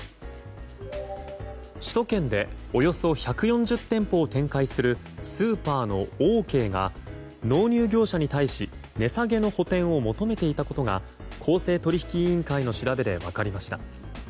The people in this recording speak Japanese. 首都圏でおよそ１４０店舗を展開するスーパーのオーケーが納入業者に対し値下げの補填を求めていたことが公正取引委員会の調べで分かりました。